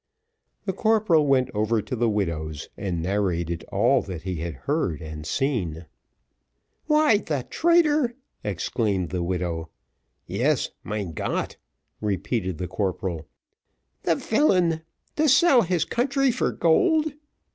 The corporal went over to the widow's, and narrated all that he had heard and seen. "Why, the traitor!" exclaimed the widow. "Yes, mein Gott!" repeated the corporal. "The villain to sell his country for gold."